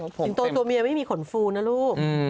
สิงโตตัวเมียไม่มีขนฟูนะลูก